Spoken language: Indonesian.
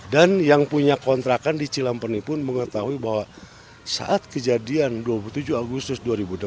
dan yang punya kontrakan di cilam peni pun mengetahui bahwa saat kejadian dua puluh tujuh agustus dua ribu enam belas